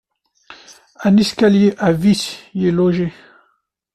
Un escalier à vis y est logé.